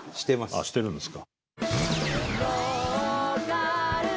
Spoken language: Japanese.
あっしてるんですか。